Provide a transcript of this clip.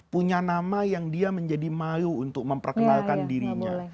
punya nama yang dia menjadi malu untuk memperkenalkan dirinya